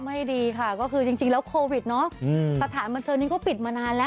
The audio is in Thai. ไม่ดีค่ะก็คือจริงแล้วโควิดเนอะสถานบันเทิงนี้ก็ปิดมานานแล้ว